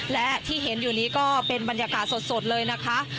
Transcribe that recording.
และที่เห็นอยู่นี้ก็เป็นบรรยากาศสดเลยนะคะ